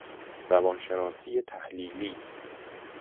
روان شناسی تحلیلی